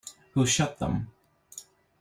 Who shut them?